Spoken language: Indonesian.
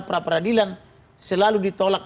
pra peradilan selalu ditolak